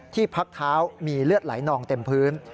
พักเท้ามีเลือดไหลนองเต็มพื้น